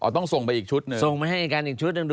อ๋อต้องส่งไปอีกชุดหนึ่ง